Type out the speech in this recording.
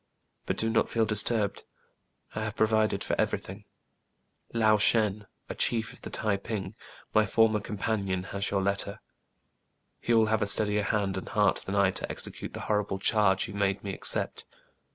But do not feel disturbed: I have provided for every thing. " Lao Shen, a chief of the Tai ping, my former com panion, has your letter. He will have a steadier hand and heart than I to execute the horrible charge you made me accept.